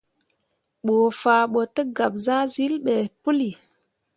Bə faa ɓo tə gab zahsyil ɓe pəli.